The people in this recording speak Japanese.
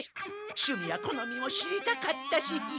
しゅみやこのみも知りたかったし。